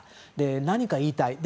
何か言いたい。